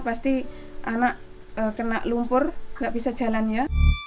pasti anak kena lumpur nggak bisa jalan ya